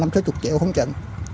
năm mươi triệu không chừng